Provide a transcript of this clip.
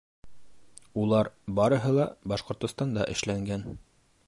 Улар барыһы ла Башҡортостанда эшләнгән.